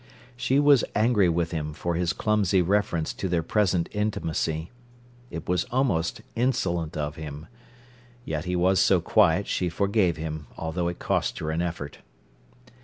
She was angry with him for his clumsy reference to their present intimacy. It was almost insolent of him. Yet he was so quiet, she forgave him, although it cost her an effort.